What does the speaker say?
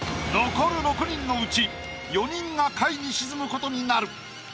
残る６人のうち４人が下位に沈むことになる。